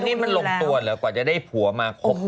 แล้วนี่มันลงตัวเหรอกว่าจะได้ผัวมาคบประมาณ